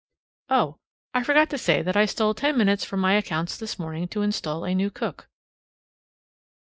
Oh, I forgot to say that I stole ten minutes from my accounts this morning to install a new cook.